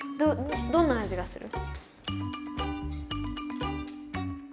どんな味がする？